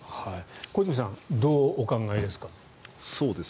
小泉さんどうお考えですか？